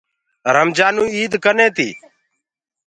رمجآنٚوئي ايٚد ڪني هي